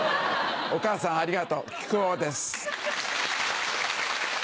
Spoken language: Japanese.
お母さんありがとう木久扇です。